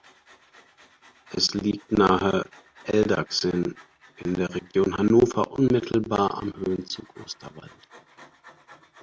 Es liegt nahe Eldagsen in der Region Hannover unmittelbar am Höhenzug Osterwald.